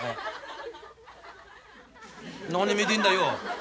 何見てんだよ？